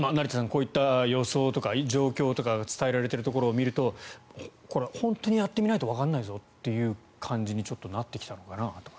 こういった予想とか状況とかが伝えられているところを見るとこれ、本当にやってみないとわからないぞという感じにちょっとなってきたのかなと。